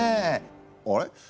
あれ？